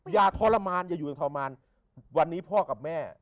อย่าทรมานอย่าอยู่อย่างทรมานวันนี้พ่อกับแม่